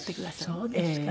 あっそうですか。